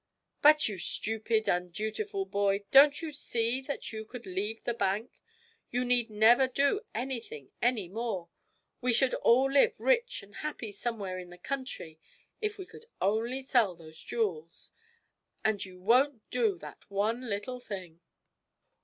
'But, you stupid, undutiful boy, don't you see that you could leave the bank you need never do anything any more we should all live rich and happy somewhere in the country, if we could only sell those jewels! And you won't do that one little thing!'